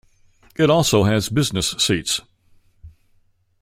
It also has Business Seats.